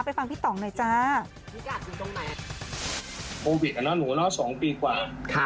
ไปฟังพี่ต่องหน่อยจ้า